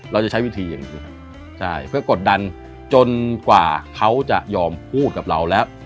เราจะใช้วิธีอย่างนี้ครับใช่เพื่อกดดันจนกว่าเขาจะยอมพูดกับเราแล้ว